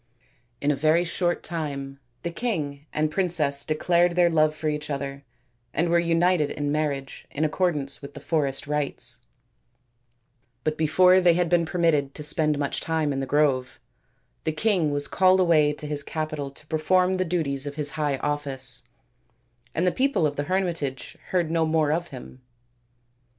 In a very short time the king and princess declared their love for each other and were united in marriage in accordance with the forest rites ; but before they had been permitted to spend much time in the grove, the king was called away to his capital to perform the duties of his high office, and the people of the hermitage heard no more of him.